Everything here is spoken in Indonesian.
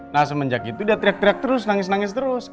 nah semenjak itu dia teriak teriak terus nangis nangis terus